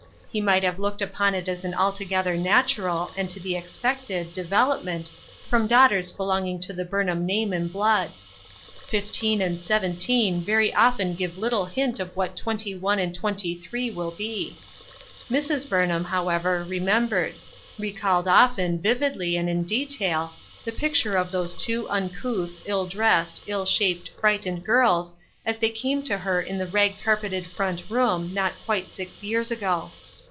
He might have looked upon it as an altogether natural, and to be expected, development, from daughters belonging to the Burnham name and blood. Fifteen and seven teen very often give little hint of what twenty one and twenty three will be. Mrs. Burnham, how ever, remembered ; recalled often, vividly and in detail, the picture of those two uncouth, ill dressed, ill shaped, frightened girls as they came TO AFTER SIX YEARS. to her in the rag carpeted front room, not quite six years ago.